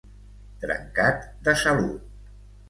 Trencat de salut.